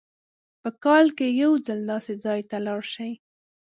په کال کې یو ځل داسې ځای ته لاړ شئ.